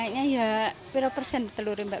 naiknya ya berapa persen telur mbak